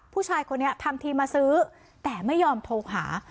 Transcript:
ผู้ชายคนนี้ทำทีมาซื้อแต่ไม่ยอมโทรหา